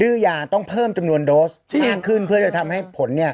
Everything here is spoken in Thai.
ยาต้องเพิ่มจำนวนโดสมากขึ้นเพื่อจะทำให้ผลเนี่ย